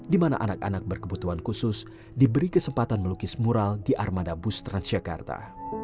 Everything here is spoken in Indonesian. di mana anak anak berkebutuhan khusus diberi kesempatan melukis mural di armada bus transjakarta